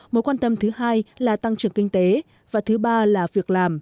mối quan tâm thứ hai là tăng trưởng kinh tế và thứ ba là việc làm